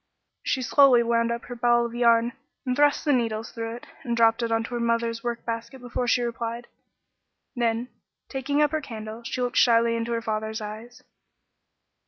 She slowly wound up her ball of yarn and thrust the needles through it, and dropped it into her mother's workbasket before she replied; then, taking up her candle, she looked shyly in her father's eyes.